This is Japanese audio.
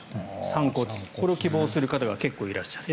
散骨、これを希望する方が結構いらっしゃる。